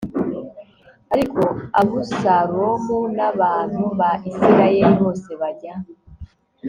ariko abusalomu n abantu ba isirayeli bose bajya